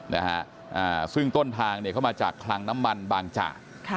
นะฮะอ่าซึ่งต้นทางเนี่ยเข้ามาจากคลังน้ำมันบางจากค่ะ